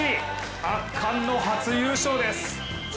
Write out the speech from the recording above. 圧巻の初優勝です。